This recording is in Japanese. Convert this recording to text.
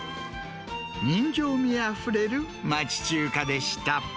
人情味あふれる町中華でした。